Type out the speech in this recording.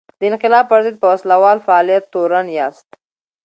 د انقلاب پر ضد په وسله وال فعالیت تورن یاست.